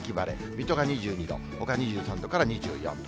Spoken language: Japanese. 水戸が２２度、ほか２３度から２４度。